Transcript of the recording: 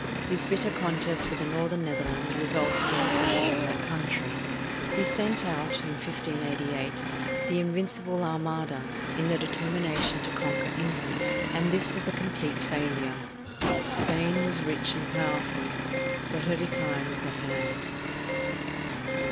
His bitter contest with the northern Netherlands resulted in the freedom of that country. He sent out, in 1588, the "Invincible Armada" in the deter mination to conquer England ; and this was a complete fail ure. Spain was rich and powerful, but her decline was at hand.